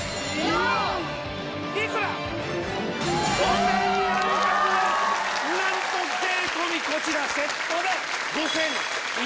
４！幾ら⁉なんと税込みこちらセットで。